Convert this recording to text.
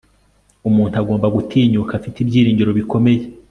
Umuntu agomba gutinyuka afite ibyiringiro bikomeye